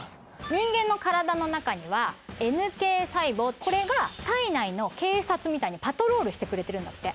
人間の体の中にはＮＫ細胞これが体内の警察みたいにパトロールしてくれてるんだって。